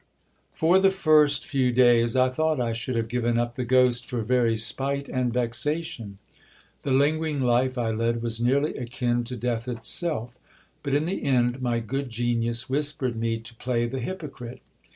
For the first few days I thought I should have given up the ghost for very spite and vexation. The lingering life I led was nearly akin to death itself ; but in the end my good genius whispered me to play the hypocrite.